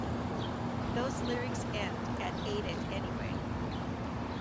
Those lyrics end at Ate it anyway.